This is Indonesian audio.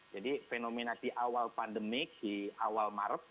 jadi fenomenasi awal pandemik di awal maret